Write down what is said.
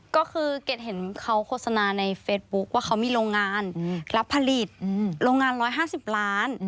ก็คือเกรดเห็นเขาโฆษณาในเฟซบุ๊คว่าเขามีโรงงานรับผลิตโรงงาน๑๕๐ล้าน